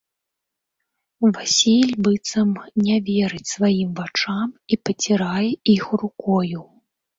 Васіль быццам не верыць сваім вачам і пацірае іх рукою.